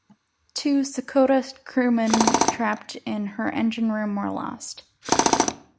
Two "Secota" crewmen trapped in her engine room were lost.